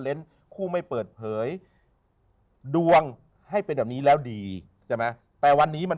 คู่ไม่เปิดเผยดวงให้เป็นแบบนี้แล้วดีใช่ไหมแต่วันนี้มัน